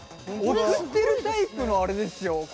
送ってるタイプのあれですよ。